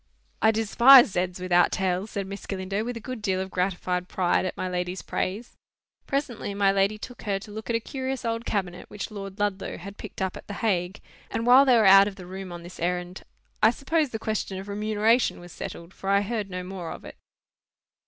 "I despise z's without tails," said Miss Galindo, with a good deal of gratified pride at my lady's praise. Presently, my lady took her to look at a curious old cabinet, which Lord Ludlow had picked up at the Hague; and while they were out of the room on this errand, I suppose the question of remuneration was settled, for I heard no more of it.